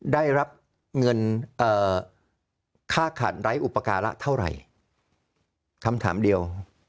ได้รับเงินค่าขันไร้อุปการะเท่าไหร่คำถามเดียว